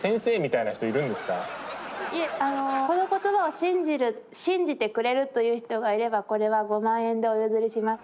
いえこの言葉を信じる信じてくれるという人がいればこれは５万円でお譲りします。